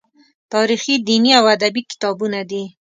تاریخي، دیني او ادبي کتابونه دي.